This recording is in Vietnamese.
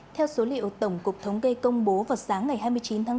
theo số liệu tổng cục thống kê công bố vào sáng ngày hai mươi chín tháng bốn